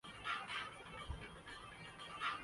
جہاں پر اندر سے لاک لگائے جاتے ہیں